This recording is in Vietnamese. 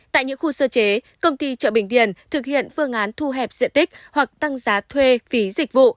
tại những khu sơ chế công ty chợ bình điền thực hiện phương án thu hẹp diện tích hoặc tăng giá thuê phí dịch vụ